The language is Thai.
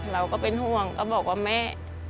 เราก็เป็นห่วงก็บอกว่าแม่